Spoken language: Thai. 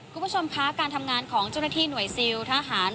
คุณผู้ชมคะการทำงานของเจ้าหน้าที่หน่วยซิลทหาร